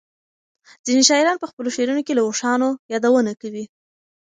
ځینې شاعران په خپلو شعرونو کې له اوښانو یادونه کوي.